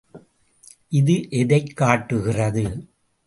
இது எதைக் காட்டுகிறது?